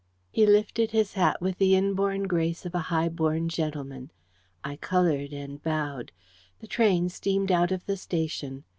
He lifted his hat with the inborn grace of a high born gentleman. I coloured and bowed. The train steamed out of the station.